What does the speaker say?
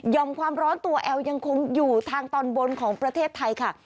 ความร้อนตัวแอลยังคงอยู่ทางตอนบนของประเทศไทยค่ะ